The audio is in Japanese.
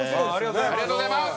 ありがとうございます！